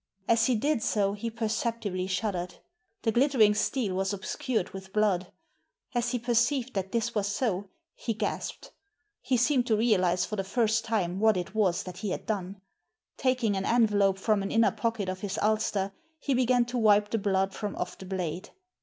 As he did so he perceptibly shuddered. The glittering steel was obscured with blood. As he perceived that this was so he gasped. He seemed to realise for the first time what it was that he had done. Taking an envelope from an inner pocket of his ulster he began to wipe the blood from off the blade.